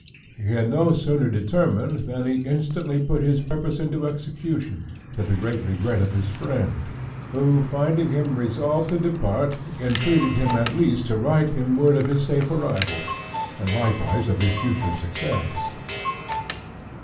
He had no sooner determined than he instantly put his purpose into execution, to the great regret of his friend, who, finding him resolved to depart, entreated him at least to write him word of his safe arrival, and likewise of his future success.